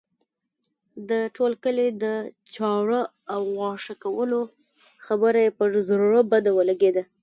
د ټول کلي د چاړه او غوښه کولو خبره یې پر زړه بد ولګېده.